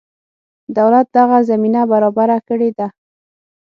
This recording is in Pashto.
دولت دغه زمینه برابره کړې ده.